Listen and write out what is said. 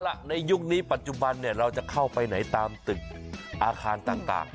ในยุคนี้ปัจจุบันเราจะเข้าไปไหนตามตึกอาคารต่าง